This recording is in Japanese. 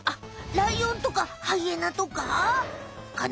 ライオンとかハイエナとかかな？